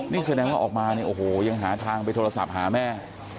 นี่แสดงว่าออกมาเนี่ยโอ้โหยังหาทางไปโทรศัพท์หาแม่